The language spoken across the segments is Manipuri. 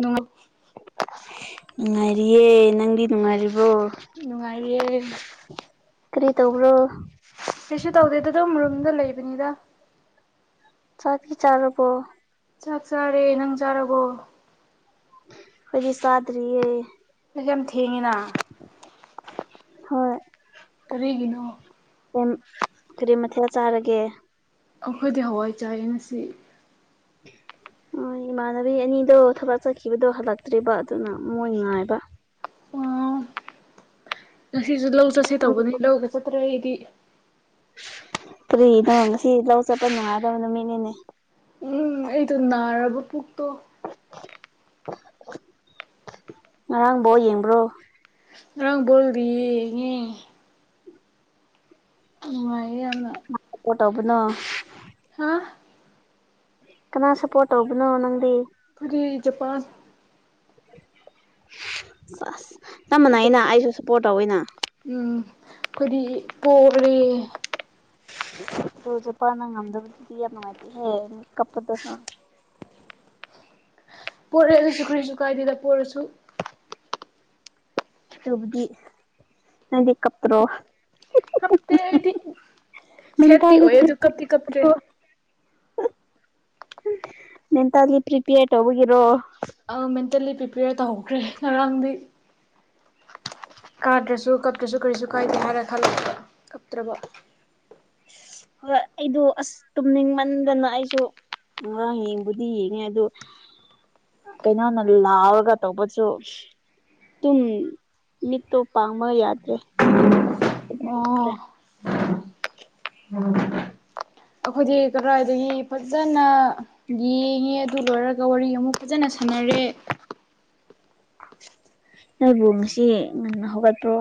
ꯑ [unintelligible] ꯅꯨꯡꯉꯥꯏꯔꯤꯌꯦ ꯅꯪꯗꯤ ꯅꯨꯡꯉꯥꯏꯔꯤꯕ ꯅꯨꯡꯉꯥꯏꯌꯦ ꯀꯔꯤ ꯇꯧꯕ꯭ꯔꯣ ꯀꯩꯁꯨ ꯇꯧꯗꯦꯗ ꯑꯗꯨꯝ ꯃꯨꯝꯗ ꯂꯩꯕꯅꯤꯗ ꯆꯀꯤ ꯆꯥꯔꯔꯕꯣ ꯆꯥꯛ ꯆꯥꯔꯦ ꯅꯪ ꯆꯥꯔꯕꯣ ꯍꯧꯖꯤ ꯁꯥꯗꯔꯤꯌꯦ ꯑꯩꯁ ꯌꯥꯝ ꯊꯦꯡꯉꯤꯅ ꯍꯣꯏ ꯂꯩꯅꯣ ꯀ ꯀꯔꯤ ꯃꯊꯦꯜ ꯆꯥꯔꯒꯦ ꯑꯩꯈꯣꯏꯗꯤ ꯍꯋꯥꯏ ꯆꯥꯩꯅꯁꯤ ꯎ ꯍ ꯏꯃꯥꯟꯅꯕꯤ ꯑꯅꯤꯗꯣ ꯊꯕꯛ ꯆꯠꯈꯤꯕꯗꯣ ꯍꯜꯂꯛꯇ꯭ꯦꯔꯤꯕ ꯑꯗꯨꯅ ꯃꯣꯏ ꯉꯥꯏꯕ ꯑꯣ ꯉꯁꯤꯁꯨ ꯂꯧ ꯆꯠꯁꯤ ꯎꯝ ꯇꯧꯕꯅꯤ ꯂꯧꯒ ꯆꯠꯇ꯭ꯔꯒꯗꯤ ꯀꯔꯤꯅꯣ ꯉ ꯁꯤ ꯂꯧ ꯆꯠꯄ ꯅꯨꯡꯉꯥꯏꯗꯕ ꯅꯨꯃꯤꯠꯅꯤꯅꯦ ꯎꯝ ꯑꯩꯇꯣ ꯅꯅꯥꯔꯔꯕ ꯄꯨꯣꯛꯛꯇꯣ ꯉꯔꯥꯡꯕꯣ ꯌꯦꯡꯕ꯭ꯔꯣ ꯉꯪꯕꯣꯜꯔꯤꯌꯦ ꯅꯨꯡꯉꯥꯏꯌꯦ ꯌꯥꯝꯅ ꯁꯞꯄꯣꯔꯠ ꯇꯧꯕꯅꯣ ꯋꯥ ꯀꯅꯥ ꯁꯞꯄꯣꯔꯠ ꯇꯧꯕꯅꯣ ꯅꯪꯗꯤ ꯐꯔꯤ ꯖꯄꯥꯟ ꯑꯁ ꯆꯞꯃꯅ ꯑꯗꯨ ꯑꯩꯅ ꯑꯩꯁꯨ ꯁꯞꯄꯣꯔꯠ ꯇꯧꯋꯅ ꯀꯗꯤ ꯄꯂꯤ ꯇ ꯆ ꯄꯥꯟꯅ ꯉꯝꯗꯕꯗꯨꯗꯤ ꯌꯥꯝ ꯅꯨꯡꯉꯥꯏꯇꯦ ꯍꯦ ꯀꯄꯗ ꯑ ꯄꯣꯔꯦ ꯑꯗꯨꯁꯨ ꯀꯔꯤꯁꯨ ꯀꯥꯏꯗꯗ ꯄꯣꯔꯁꯨ ꯕꯗꯤ ꯅꯗꯤ ꯀ ꯄꯨ꯭ꯔꯣ ꯀꯞꯇꯦ ꯍꯥꯏꯗꯤ ꯁꯦꯠꯇꯤ ꯃꯦꯟꯇꯦꯜꯂꯤ ꯑꯣꯏ ꯑꯗꯨ ꯀꯞꯇ ꯀꯞꯇ꯭ꯔꯦ ꯃꯦꯟꯇꯦꯜꯂꯤ ꯄ꯭ꯔꯤꯄꯌꯔ ꯇꯧꯕꯒꯤꯔꯣ ꯑ ꯃꯦꯟꯇꯦꯜꯂꯤ ꯄ꯭ꯔꯤꯄꯦꯌꯔ ꯇꯧꯍꯧꯈ꯭ꯔꯦ ꯉꯔꯥꯡꯗꯤ ꯀꯥꯗ꯭ꯔꯁꯨ ꯀꯞꯇ꯭ꯔꯁꯨ ꯀꯔꯤꯁꯨ ꯀꯥꯏꯗꯦ ꯍꯥꯏꯅ ꯈꯜꯂꯛꯄ ꯀꯞꯇ꯭ꯔꯕ ꯍꯣꯏ ꯑꯩꯗꯣ ꯑꯁ ꯇꯨꯝꯅꯤꯡꯃꯟꯗꯅ ꯑꯩꯁꯨ ꯑ ꯌꯦꯕꯨꯗꯤ ꯌꯦꯅꯦ ꯑ ꯑꯗꯨ ꯀꯩꯅꯣꯅ ꯂꯥꯎꯔꯒ ꯇꯧꯕꯁꯨ ꯑꯗꯨꯝ ꯃꯤꯠꯇꯣ ꯄꯥꯃ ꯌꯥꯗ꯭ꯔꯦ ꯑꯣ ꯑꯗꯨꯝꯈ꯭ꯔꯦ ꯑꯩꯈꯣꯏꯗꯤ ꯀꯔꯏꯗꯒꯤ ꯐꯖꯅ ꯌꯦꯡꯉꯦ ꯑꯗꯨ ꯂꯣꯏꯔꯒ ꯋꯥꯔꯤ ꯑꯃꯨꯛ ꯐꯖꯅ ꯁ ꯃꯦ [unintelligible] ꯅꯣꯏꯕꯨ ꯉꯁꯤ ꯉꯟꯅ ꯍꯧꯒꯠꯇꯄ꯭ꯔꯣ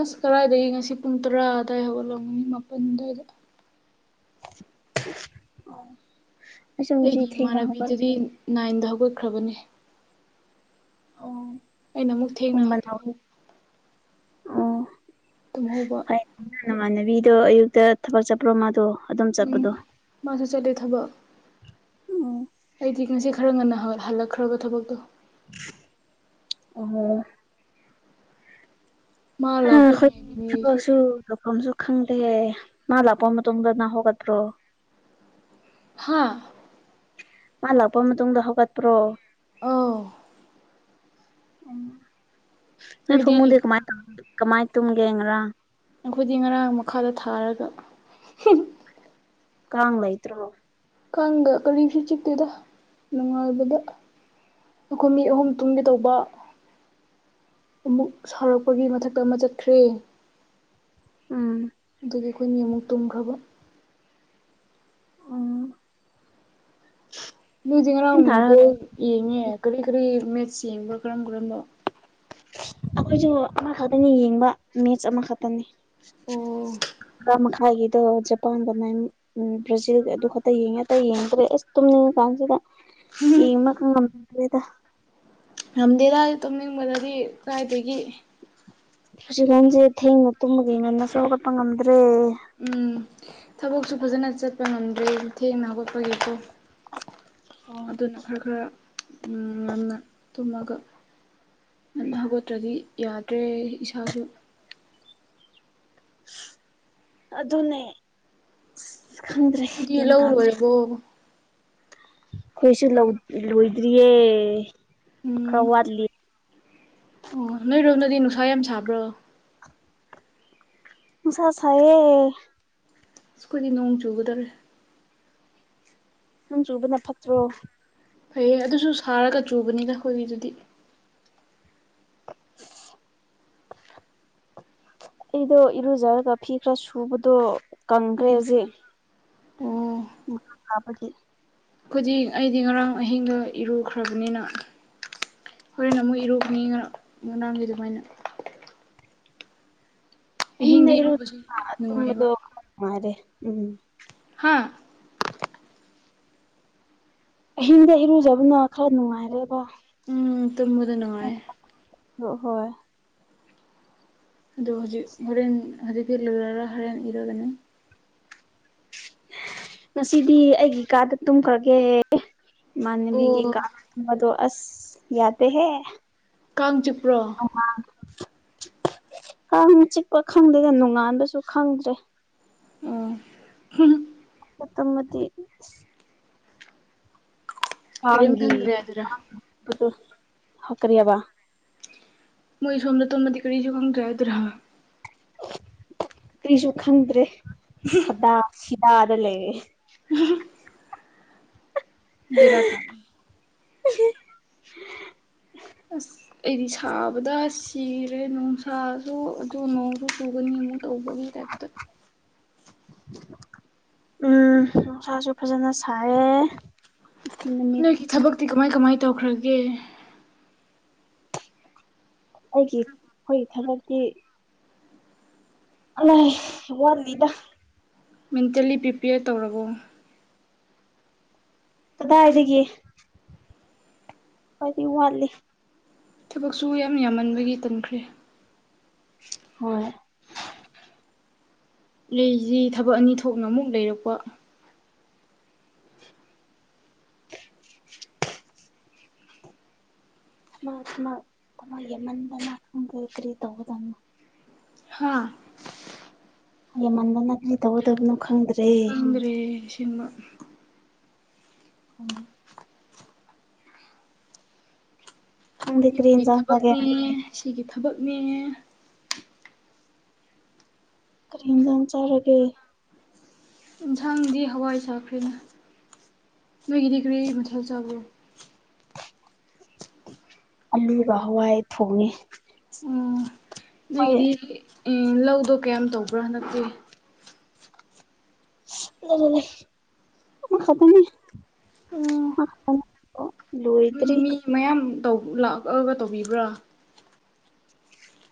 ꯑꯁ ꯀꯗꯥꯥꯏꯗꯒꯤ ꯉꯁꯤ ꯄꯨꯡ ꯇꯔꯥ ꯑꯗꯨꯗꯥꯋꯥꯏ ꯍꯧꯒꯠꯂꯒꯅꯤ ꯃꯥꯄꯜ ꯑꯗꯨꯋꯥꯏꯗ ꯑꯣ ꯑꯩꯒꯤ ꯏꯃꯥꯟꯅꯕꯤꯗꯨꯗꯤ ꯅꯥꯏꯟꯗ ꯍꯧꯒꯠꯈ꯭ꯔꯕꯅꯦ ꯑꯣ ꯑꯩꯅ ꯑꯃꯨꯛ ꯄꯨꯡ ꯊꯦꯡꯅꯗ ꯃꯅꯥꯎ ꯑꯣ ꯇꯨꯝꯍꯧꯕ ꯐꯩ ꯅꯃꯥꯟꯅꯕꯤꯗꯣ ꯑꯌꯨꯛꯇ ꯊꯕꯛ ꯆꯠꯄ꯭ꯔꯣ ꯃꯥꯗꯣ ꯑꯗꯨꯝ ꯎꯝ ꯆꯠꯄꯗꯣ ꯃꯥꯁꯨ ꯆꯠꯂꯂꯤꯦ ꯊꯕꯛ ꯑꯩꯗꯤ ꯉꯁꯤ ꯈꯔ ꯉꯟꯅ ꯍ ꯍꯜꯂꯛ ꯈꯔ ꯀ ꯊ ꯐꯣꯛ ꯇꯣ ꯑꯣ ꯃꯥ ꯂꯥꯛꯄ ꯉꯥꯏꯔꯤꯅꯦ ꯑꯩꯁꯨ ꯑꯈꯣꯏꯁꯨ ꯆ ꯈꯪꯗꯦ ꯅ ꯂꯥꯛꯄ ꯃꯇꯨꯡ ꯃꯇꯨꯡꯗ ꯅ ꯍꯒꯇꯣ ꯍꯥ ꯃꯥ ꯂꯥꯛꯄ ꯃꯇꯨꯡꯗ ꯍꯧꯒꯠꯄ꯭ꯔꯣ ꯑ ꯎ ꯑꯩꯗꯤ ꯐꯃꯨꯗꯤ ꯀꯃꯥꯏ ꯀꯃꯥꯏ ꯇꯨꯝꯒꯦ꯭ꯔꯥ ꯑꯩꯈꯣꯏꯗꯤ ꯉꯔꯥꯡ ꯃꯈꯥꯗ ꯊꯥꯔꯒ ꯀ ꯂꯩꯇ꯭ꯔꯣ ꯈꯪꯒ ꯀꯔꯤꯁꯨ ꯆꯤꯛꯇꯦꯗ ꯅꯨꯡꯉꯥꯏꯕꯗ ꯑꯩꯈꯣꯏ ꯃꯤ ꯑꯍꯨꯝ ꯇꯨꯝꯒꯗꯧꯕ ꯑꯃꯨꯛ ꯁꯥꯎꯔꯛꯄꯒꯤ ꯃꯊꯛꯇ ꯑꯃ ꯆꯠꯈ꯭ꯔꯦ ꯎꯝ ꯑꯩꯈꯣꯏ ꯃꯤ ꯑꯃꯨꯛ ꯇꯨꯝꯈ꯭ꯔꯕ ꯅꯣꯏꯁꯦ ꯐꯦꯟ ꯊꯥꯔꯒ ꯉꯔꯥꯡꯨꯛꯐꯥꯎ ꯌꯦꯡꯉꯦ ꯀꯔꯤ ꯀꯔꯤ ꯃꯦꯠꯁ ꯌꯦꯡꯕ ꯀꯔꯝ ꯀꯔꯝꯕꯣ ꯑꯩꯈꯣꯏꯁꯨ ꯑꯃꯈꯛꯇꯅꯤ ꯌꯦꯡꯕ ꯃꯦꯠꯆ ꯑꯃꯈꯛꯇꯅꯤ ꯑꯣ ꯇꯔꯥ ꯃꯈꯥꯏꯒꯤꯗꯣ ꯖꯄꯥꯟ ꯀꯃꯥꯏꯅ ꯕ꯭ꯔꯥꯖꯤꯜꯒꯤ ꯑꯗꯨ ꯈꯛꯇ ꯌꯦꯡꯉꯦ ꯑꯇꯥ ꯌꯦꯡꯗ꯭ꯔꯦ ꯑꯁ ꯇ ꯀꯥꯡꯁꯤꯗ ꯁꯤ ꯃꯈ ꯉꯝꯦꯗ ꯉꯝꯗꯦ ꯂꯥꯏ ꯇꯝꯅꯤꯡꯕꯗꯗꯤ ꯀꯥꯏꯏꯗꯒꯤ ꯁꯁꯤꯒꯥꯟꯁꯦ ꯊꯦꯡꯅ ꯇꯨꯝꯃꯒꯉꯟꯅ ꯁꯣꯒꯠꯄ ꯉꯝꯗ꯭ꯔꯦ ꯎꯝ ꯊꯕꯛꯁꯨ ꯐꯖꯅ ꯆꯠꯄ ꯉꯝꯗ꯭ꯔꯦ ꯊꯦꯡꯅ ꯍꯧꯒꯠꯄꯒꯤꯁꯨꯣ ꯑꯗꯨꯅ ꯈꯔ ꯈꯔ ꯎ ꯌꯥꯝꯅ ꯇꯨꯝꯃꯒ ꯍꯧꯒꯠꯇ꯭ꯔꯗꯤ ꯌꯥꯗ꯭ꯔꯦ ꯏꯁꯥꯁꯨ ꯑꯗꯨꯅꯦ ꯈꯪꯗ꯭ꯔꯦ ꯅꯣꯏꯗꯤ ꯒ꯭ꯌꯥꯟ ꯂꯧ ꯇꯥꯗ꯭ꯔꯦ ꯂꯣꯏꯔꯕꯣ ꯑꯩꯈꯣꯏꯁꯨ ꯂꯣꯏꯗ꯭ꯔꯤꯌꯦ ꯈꯔ ꯎꯝ ꯋꯥꯠꯂꯤ ꯑꯣ ꯅꯣꯏꯔꯣꯝꯗꯗꯤ ꯅꯨꯡꯁꯥ ꯌꯥꯝ ꯁꯥꯕ꯭ꯔꯣ ꯁꯁ ꯑꯦ ꯁꯈꯣꯏꯗꯤ ꯅꯣꯡ ꯆꯨꯒꯗꯧꯔꯦ ꯅꯪ ꯆꯨꯕꯅ ꯐꯠꯇ꯭ꯔꯣ ꯐꯩꯌꯦ ꯑꯗꯨꯁꯨ ꯁꯥꯔꯒ ꯆꯨꯕꯅꯤꯅ ꯑꯩꯈꯣꯏꯒꯤꯗꯨꯗꯤ ꯑꯩꯗꯣ ꯏꯔꯨꯖꯔꯒ ꯐꯤ ꯈꯔ ꯁꯨꯕꯗꯣ ꯀꯪꯈ꯭ꯔꯦ ꯍꯧꯖꯤꯛ ꯑꯣ ꯎꯕꯒꯤ ꯑꯩꯗꯤꯛ ꯑꯩꯗꯤ ꯉꯔꯥꯡ ꯑꯍꯤꯡꯒ ꯏꯔꯨꯈ꯭ꯔꯕꯅꯤꯅ ꯍꯣꯔꯦꯟꯅ ꯑꯃꯨꯛ ꯏꯔꯣꯛꯅꯤ ꯉ ꯉꯔꯥꯡꯒꯤ ꯑꯗꯨꯃꯥꯏꯅ ꯍ ꯑꯍꯤꯡꯗꯤ ꯏꯔ ꯏꯔꯨꯕꯁꯨ ꯅꯨꯡꯉꯥꯏꯕ ꯇꯗꯨ ꯈ ꯃꯥꯔꯦ ꯎꯝ ꯑ ꯑꯍꯤꯡꯗ ꯏꯔꯨꯖꯕꯅ ꯈꯔ ꯅꯨꯡꯉꯥꯏꯔꯦꯕ ꯎꯝ ꯇꯃꯗ ꯅꯨꯡꯉꯥꯏ ꯅꯍꯣꯏ ꯑꯗꯣ ꯍꯧꯖꯤꯛ ꯍꯣꯔꯦꯟ ꯍꯧꯖꯤꯛꯤ ꯂꯣꯏꯔꯔ ꯍꯣꯔꯦꯟ ꯏꯔꯒꯅꯤ ꯉꯁꯤꯗꯤ ꯑꯩꯒꯤ ꯏ ꯀꯥꯗ ꯇꯨꯝꯈ꯭ꯔꯒꯦ ꯃꯅꯦꯕꯤ ꯀ ꯑꯣ ꯀꯥ ꯃꯗꯨꯣ ꯑꯁ ꯌꯥꯗ ꯍ ꯀ ꯆ ꯑ ꯈ ꯆꯤꯛꯄ ꯈꯪꯗꯦꯗ ꯅꯣꯡꯉꯥꯟꯕꯁꯨ ꯈꯪꯗ꯭ꯔꯦ ꯑꯣ ꯄꯠꯇꯣꯃꯗꯤ ꯀꯔꯤꯝ ꯀꯥꯤ ꯈꯪꯗ꯭ꯔꯦ ꯑꯗꯨꯔ ꯍꯈꯔꯤꯌꯥꯕ ꯃꯣꯏ ꯁꯣꯝꯗ ꯇꯣꯃꯗꯀꯔꯔꯤꯁꯨ ꯈꯣꯡ ꯆꯥꯏꯗ꯭ꯔ [unintelligible] ꯀꯔꯤꯁꯨ ꯈꯪꯗ꯭ꯔꯦꯗꯥ ꯁꯤꯗꯥꯗ ꯂꯩꯔꯦ ꯕꯤꯔꯥ ꯀꯜ ꯎ ꯆꯤꯔꯦ ꯅꯨꯡꯁꯥꯁꯨ ꯑꯗꯨ ꯅꯣꯡꯁꯨ ꯆꯨꯒꯅꯤ ꯑꯃꯨꯛ ꯇꯧꯕꯒꯤ ꯇꯥꯏꯞꯇ ꯎꯝ ꯅꯨꯡꯁꯥꯁꯨ ꯐꯖꯅ ꯁꯥꯏꯌꯦ ꯉꯁꯤ ꯅꯣꯏꯒꯤ ꯅꯨꯃꯤꯠꯇꯨꯗꯤ ꯊꯕꯛꯇꯤ ꯀꯃꯥꯏ ꯀꯃꯥꯏ ꯇꯧꯈ꯭ꯔꯒꯦ ꯑꯩꯒꯤ ꯑꯩꯈꯣꯏꯒꯤ ꯊꯕꯛꯇꯤ ꯑꯂ ꯋꯥꯟ ꯂꯤꯗ ꯃꯦꯟꯇꯦꯜꯂꯤ ꯄ꯭ꯔꯤꯄꯦꯌꯔ ꯇꯧꯔꯕꯣ ꯀꯗꯥꯏꯒꯦ ꯀꯗꯤ ꯎ ꯋꯥꯂꯤ ꯊꯕꯛꯁꯨ ꯌꯥꯝ ꯌꯥꯝꯃꯟꯕꯒꯤ ꯇꯟꯈ꯭ꯔꯦ ꯍꯣꯏꯣꯏ ꯂꯩꯁꯤ ꯊꯕꯛ ꯑꯅꯤ ꯊꯣꯛꯅ ꯑꯃꯨꯛ ꯂꯩꯔꯛꯄ [unintelligible] ꯊꯃ ꯊꯃꯃꯟꯗ ꯀꯇꯔꯤ ꯇꯧꯗ ꯍꯥꯥ ꯍꯦ ꯃꯟꯅꯗ ꯇꯧꯗꯕꯅ ꯈꯪꯗ꯭ꯔ ꯐꯪꯗ꯭ꯔꯦ ꯁꯤꯃ ꯑꯃꯥꯏ ꯅꯪꯗꯤ ꯀꯔꯤ ꯌꯨꯝꯒꯤ ꯏꯟꯖꯥꯡ ꯆꯥꯒꯦ ꯊꯕꯛꯅꯦꯉꯦ ꯁꯤꯒꯤ ꯊꯕꯛꯅꯦꯉꯦ ꯀꯔꯤ ꯏꯟꯖꯥꯡ ꯆꯥꯔꯒꯦ ꯌꯦꯟꯁꯥꯡꯗꯤ ꯍꯋꯥꯏ ꯆꯔꯐꯅ ꯅꯣꯏꯒꯤꯗꯤꯈꯔꯤ ꯃꯊꯦꯜ ꯆꯕꯣ ꯑꯂꯨꯒ ꯍꯋꯥꯏ ꯊꯣꯡꯉꯦ ꯍꯣꯏ ꯑꯗꯨꯒꯤꯗꯤ ꯎ ꯂꯧꯗꯣ ꯀꯌꯥꯝ ꯇꯧꯕ꯭ꯔꯥ ꯍꯟꯗꯛꯇꯤ ꯑꯗꯨ ꯈꯕꯅꯦ ꯂꯣꯏ ꯅꯣꯏꯗꯤ ꯃꯤ ꯃꯌꯥꯝ ꯂꯥꯛꯑꯒ ꯇꯧꯕꯤꯕ꯭ꯔꯥ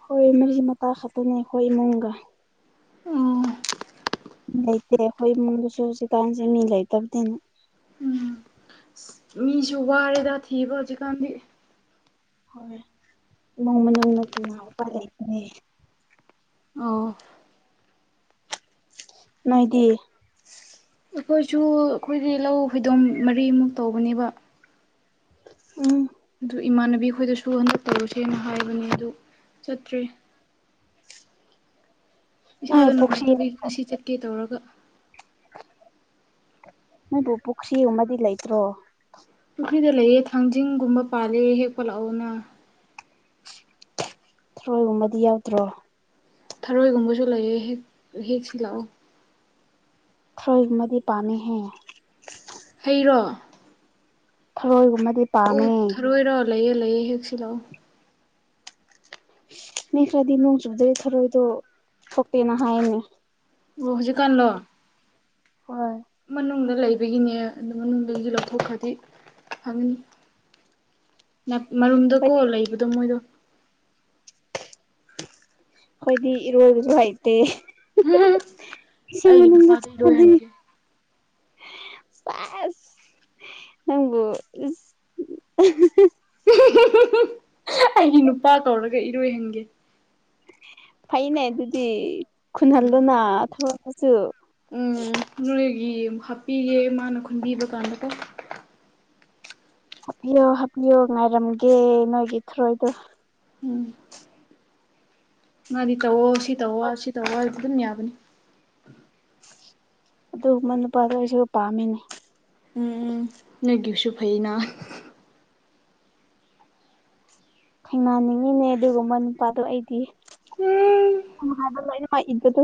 ꯍꯣꯏ ꯃꯔꯤ ꯃꯇꯥ ꯈꯛꯇꯅꯤ ꯑꯩꯈꯣꯏ ꯏꯃꯨꯡꯒ ꯎꯝ ꯂꯩꯇꯦ ꯑꯩꯈꯣꯏ ꯏꯃꯨꯡꯗꯁꯨ ꯍꯧꯖꯤꯛꯀꯥꯟꯁꯦ ꯃꯤ ꯂꯩꯇꯕꯗꯤꯅ ꯃꯤꯁꯨ ꯋꯥꯦꯗ ꯊꯤꯕꯖꯤꯀꯥꯟꯗꯤ ꯍꯣꯏ ꯏꯃꯨꯡ ꯃꯅꯨꯡ ꯅꯠꯇꯅ ꯋꯥ ꯂꯩꯇꯦ ꯑ ꯅꯣꯏꯗꯤ ꯑꯩꯈꯣꯏꯁꯨ ꯑꯩꯈꯣꯏꯒꯤ ꯂꯧ ꯍꯣꯏꯗꯣꯝ ꯃꯔꯤꯃꯨꯛ ꯇꯧꯕꯅꯦꯕ ꯎꯝ ꯑꯗꯨ ꯏꯃꯥꯟꯅꯕꯤ ꯑꯩꯈꯣꯏꯗꯁꯨ ꯍꯟꯗꯛ ꯇꯧꯔꯨꯁꯦꯅ ꯍꯥꯏꯕꯅꯦ ꯑꯗꯨ ꯆꯠꯇ꯭ꯔꯦ ꯅꯣꯏ ꯏꯁꯥꯗ ꯄꯨꯈ꯭ꯔꯤ ꯅꯨꯡꯉꯥꯏꯇꯕꯒꯤ ꯉꯁꯤ ꯆꯠꯀꯦ ꯇꯧꯔꯒ ꯅꯣꯏꯕꯨ ꯄꯨꯈ꯭ꯒ ꯑꯃꯗꯤꯗꯤ ꯂꯩꯇ꯭ꯔꯣ ꯄꯨꯈ꯭ꯔꯤꯗ ꯂꯩꯌꯦꯦ ꯊꯥꯡꯖꯤꯡꯒꯨꯝꯕ ꯄꯥꯜꯂꯦ ꯍꯦꯛꯄꯠꯂꯛꯑꯣꯅ ꯊ꯭ꯔꯣꯏꯒꯨꯝꯕꯗꯤ ꯌꯥꯎꯗ꯭ꯔꯣ ꯊꯔꯣꯏꯒꯨꯝꯕꯁꯨ ꯂꯩꯑ ꯍꯦꯛ ꯍꯦꯛꯁꯤ ꯂꯥꯛꯑꯣ ꯊ꯭ꯔꯣꯏ ꯍꯃꯗꯤ ꯄꯥꯝꯃꯤ ꯍꯦ ꯍꯩꯔꯣ ꯍꯣꯏ ꯃ ꯑꯣ ꯊꯔꯣꯏꯔꯣ ꯂꯩꯌꯦ ꯂꯩꯌꯦ ꯍꯦꯛꯁꯤ ꯂꯥꯛꯑꯣ ꯃꯤ ꯈ꯭ꯔꯗꯤ ꯅꯣꯡ ꯆꯨꯗꯩ ꯊꯔꯣꯏꯗꯣ ꯊꯣꯛꯣꯛꯇꯦꯅ ꯍꯥꯏꯔꯅꯤ ꯑꯣꯖꯤ ꯀꯂꯣ ꯍꯣꯏ ꯃꯅ ꯃꯅꯨꯡꯗ ꯂꯩꯕꯒꯤꯅꯦ ꯑꯗꯨ ꯃꯅꯨꯡꯗꯒꯤꯁꯨ ꯂꯧꯊꯣꯛꯈ꯭ꯔꯗꯤ ꯍꯥꯏꯪꯅꯤ ꯃꯔꯨꯝꯗꯀꯣ ꯈꯣꯏꯗꯤ ꯂꯩꯕꯗꯣ ꯃꯣꯏꯗꯣ ꯑꯩꯈꯣꯏꯗꯤ ꯏꯔꯣꯁꯨ ꯍꯩꯇꯦ ꯑꯩꯒꯤ ꯅꯨꯄꯥꯗ ꯁꯤꯃꯅꯗꯗ ꯏꯔꯣꯏꯍꯟꯒꯦ ꯄꯁ ꯅꯪꯕꯨ ꯑꯩꯒꯤ ꯅꯨꯄꯥ ꯇꯧꯔꯒ ꯏꯔꯣꯏꯍꯟꯒꯦ ꯐꯩꯅꯦ ꯑꯗꯨꯗꯤ ꯎꯝ ꯈꯨꯟꯍꯟꯗꯨꯅ ꯊꯂꯛꯒꯁꯨ ꯎꯝ ꯅꯣꯔꯦꯒꯤꯨ ꯍꯥꯞꯄꯤꯒꯦ ꯃꯥꯅ ꯈꯨꯟꯕꯤꯕ ꯀꯥꯟꯗꯀꯣ ꯍꯥꯞꯄꯤꯌꯣ ꯍꯥꯞꯄꯤꯌꯣ ꯉꯥꯏꯔꯝꯒꯦ ꯅꯣꯏꯒꯤ ꯊ꯭ꯔꯣꯏꯗꯣ ꯎꯝ ꯃꯥꯗꯤ ꯇꯧꯑꯣ ꯁꯤ ꯇꯧꯑꯣ ꯁꯤ ꯇꯧꯑꯣꯗꯤ ꯑꯗꯨꯝ ꯌꯥꯕꯅꯤ ꯑꯗꯨꯒꯨꯝꯃ ꯅꯨꯄꯥꯗꫭ ꯑꯩꯁꯨ ꯄꯥꯃꯤꯅꯦ ꯎꯝ ꯎꯝ ꯅꯪꯒꯤꯁꯨ ꯐꯩꯅ ꯈꯪꯉꯅꯤꯡꯉꯤꯅꯦ ꯑꯗꯨꯒꯨꯝꯕ ꯅꯨꯄꯥꯗꯣ ꯑꯩꯗꯤ ꯎꯝ ꯎꯝ ꯍꯥꯏꯕ ꯂꯣꯏꯅꯃꯛ ꯏꯟꯕꯗꯨ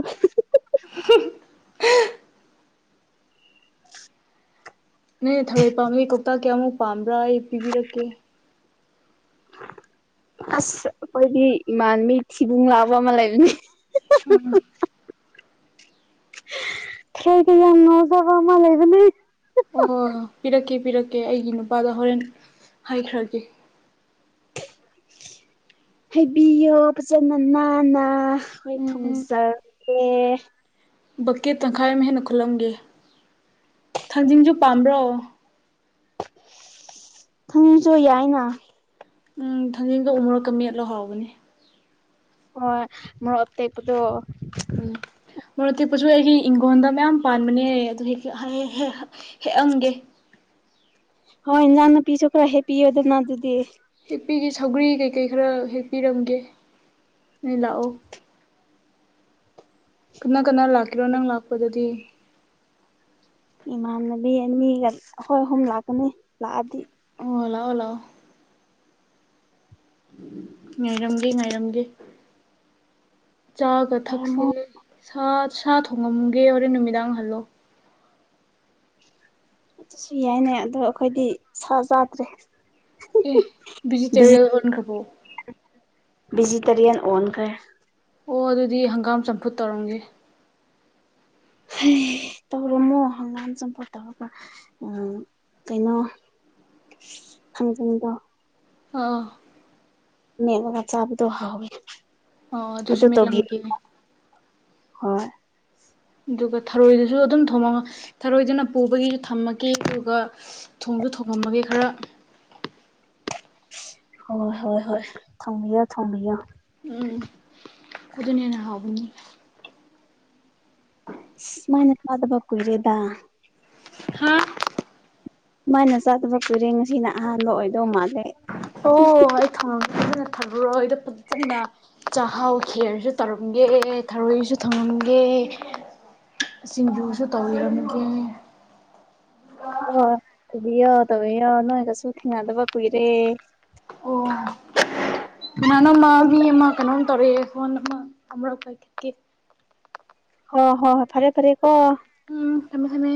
ꯅꫭꯏꯅ ꯊꯔꯣꯏ ꯄꯥꯝꯃꯤ ꯀꯧꯇꯥꯛ ꯀꯌꯥꯃꯨꯛ ꯄꯥꯝꯕ꯭ꯔ ꯑꯩ ꯄꯤꯕꯤꯔꯛꯀꯦ ꯑꯁ ꯑꯩꯈꯣꯏꯗꯤ ꯏꯃꯥꯟꯕꯤ ꯊꯤꯕꯨꯡ ꯂꯥꯛꯕ ꯑꯃ ꯂꯩꯕꯅꯤ ꯎꯝ ꯊꯔꫭꯏꯗ ꯌꯥꯝ ꯉꯥꯎꯖꯕ ꯑꯃ ꯂꯩꯕꯅꯤ ꯑꯣ ꯄꯤꯔꯛꯀꯦ ꯄꯤꯔꯛꯀꯦ ꯑꯩꯒꯤ ꯅꯨꯄꯥꯗ ꯍꯣꯔꯦꯟ ꯍꯥꯏꯈ꯭ꯔꯒꯦ ꯍꯥꯏꯕꯤꯌꯣ ꯐꯖꯅ ꯅꯥꯟꯅ ꯍꯏ ꯎꯝ ꯊꯝꯖꯔꯒꯦ ꯕꯛꯀꯦꯠ ꯇꯪꯈꯥꯏ ꯑꯃ ꯍꯦꯟꯅ ꯈꯨꯠꯂꯝꯒꯦ ꯊꯥꯡꯖꯤꯡꯁꯨ ꯄꯥꯝꯕ꯭ꯔꯣ ꯊꯥꯡꯖꯤꯡꯁꯨ ꯌꯥꯏꯅ ꯎꯝ ꯊꯥꯡꯖꯤꯡꯗꯨ ꯎꯃꯨꯔꫭꯛꯀ ꯃꯦꯠꯂꯣ ꯍꯥꯎꯕꯅꯦ ꯍꯣꯏ ꯃꫭꯔꫭꯛ ꯑꯇꯦꯛꯄꯗꯨ ꯎꯝ ꯃꯔꫭꯛꯇꯦꯛꯄꯁꯨ ꯑꯩꯒꯤ ꯏꯪꯈꯣꯟꯜꯗ ꯃꯌꯥꯝ ꯄꯥꯟꯕꯅꯦ ꯑꯗꯨ ꯍꯦꯛ ꯍꯦꯛꯑꯝꯒꯦ ꯍꯣꯏ ꯏꯟꯖꯥꯡ ꯅꯄꯤꯁꯨ ꯈꯔ ꯍꯦꯛꯄꯤꯌꯣꯗꯅ ꯑꯗꯨꯗꯤ ꯄꯤꯒꯦ ꯁꯧꯒ꯭ꯔꯤ ꯀꯩꯀꯩ ꯈꯔ ꯍꯦꯛ ꯄꯤꯔꯝꯒꯦ ꯅꯣꯏ ꯂꯥꯛꯑꯣ ꯀꯅꯥ ꯀꯅꯥ ꯂꯥꯛꯀꯦꯔꯣ ꯅꯪ ꯂꯥꯛꯄꯗꯗꯤ ꯏꯃꯥꯟꯅꯕꯤ ꯑꯅꯤꯒ ꯑꯩꯈꯣꯏ ꯑꯍꯨꯝ ꯂꯥꯛꯀꯅꯤ ꯂꯥꯛꯑꯗꯤ ꯑꯣ ꯂꯥꯛꯑꫭ ꯂꯥꯛꯑꯣ ꯉꯥꯏꯔꯝꯒꯦ ꯉꯥꯏꯔꯝꯒꯦ ꯆꯥꯒ ꯊꯛꯁꯦ ꯂꯩꯔꯝꯃꯣ ꯁꯥ ꯁꯥ ꯊꯣꯡꯉꯝꯒꯦ ꯍꯣꯔꯦꯟ ꯅꯨꯃꯤꯗꯥꯡ ꯍꯜꯂꯣ ꯑꯗꯨꯁꯨ ꯌꯥꯏꯅꯦ ꯑꯗꯣ ꯑꯩꯈꯣꯏꯗꯤ ꯁꯥ ꯆꯥꯗ꯭ꯔꯦ ꯑꯦ ꯚꯤꯖꯤ ꯚꯤꯖꯤꯇꯔꯤꯌꯥꯟ ꯑꫭꯟꯈ꯭ꯔꯕꫭ ꯚꯤꯖꯤꯇꯔꯤꯌꯥꯟ ꯑꯣꯟꯈ꯭ꯔꯦ ꯑꯣ ꯑꯗꯨꯗꯤ ꯍꯪꯒꯥꯝ ꯆꯝꯐꯨꯠ ꯇꯧꯔꯝꯒꯦ ꯇꯧꯔꯝꯃꫭ ꯍꯪꯒꯥꯝ ꯆꯄꯠꯇꯔ ꯎꯝ ꯀꯩꯅꯣ ꯊꯥꯡꯖꯤꯡꯗꯣ ꯑꫭ ꯃꯦꯠꯂꯒ ꯆꯥꯕꯗꯣ ꯍꯥꯎꯋꯦ ꯑꯣ ꯑꯗꯨꯁꯨ ꯑꯗꯨ ꯇꯧꯕꯤꯌꯨ ꯃꯦꯠꯂꯝꯒꯦ ꯍꯣꯏ ꯑꯗꯨꯒ ꯊꯔꯣꯏꯗꯨꯁꯨ ꯑꯗꯨꯝ ꯊꯣꯃꯒ ꯊꯔꯣꯏꯗꯨꯅ ꯄꯨꯕꯒꯤꯁꯨ ꯊꯝꯃꯒꯦ ꯑꯗꯨꯒ ꯊꫭ ꯖꯨ ꯊꯣꯡꯉꯝꯕꯒꯦ ꯈꯔ [inaudible] ꯍꯣꯏ ꯍꯣꯏ ꯍꯣꯏ ꯊꫭꯡꯕꯤꯌꫭ ꯊꫭꯡꯕꯤꯌꫭ ꯎꯝ ꯑꯗꯨꯅꯗ ꯍꯦꯟꯅ ꯍꯥꯎꯕꯅꯤ ꯁꯨꯃꯥꯏꯅ ꯆꯥꯗꯕ ꯀꯨꯏꯔꯦꯗ ꯍꯥ ꯁꯨꯃꯥꯅ ꯆꯥꯗꯕ ꯀꯨꯏꯔꯦ ꯉꯁꯤꯅ ꯑꯍꯥꯟꯕ ꯑꯣꯏꯗꯧ ꯃꯥꯜꯂꯦ ꯑꯣ ꯑꯩ ꯊꯝꯃꯒꯦ ꯐꯖꯅ ꯊꯔꯣꯏꯗꯣ ꯐꯖꯅ ꯆꯥꯛꯍꯥꯎ ꯈꯦꫪꯁꯨ ꯇꯧꯔꯝ [unintelligible] ꯊꯔꯣꯏꯁꯨ ꯊꯪꯉꯝꯒꯦ ꯁꯤꯡꯖꯨꯁꯨ ꯇꯧꯕꯤꯔꯝꯒꯦ ꯍꫭꯏ ꯇꯧꯕꯤꯌꫭ ꯇꯧꯕꯤꯌꫭ ꯅꯣꯏꯒꯁꯨ ꯊꯦꯡꯅꯗꯕ ꯀꯨꯏꯔꯦ ꯑꯣ ꯀꯅꯥꯅꫭꯃ ꯍꯣꯏ ꯃꯤ ꯑꯃꯃ ꯀꯩꯅꯣ ꯇꯔꯦꯑꯦ ꯐꫭꯟ ꯑꯃ ꯑꯃꯔꯛ ꯄꯥꯏꯈꯠꯀꯦ ꯍꫭ ꯍꫭ ꯍꫭꯏ ꯐꯔꯦ ꯐꯔꯦ ꯀꯣ ꯎꯝ ꯀꯩꯅ ꯈꯅꯦ